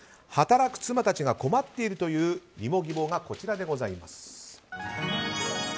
働く妻たちが困っているというリモ義母がこちらでございます。